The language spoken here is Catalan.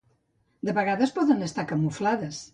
De vegades poden estar camuflades.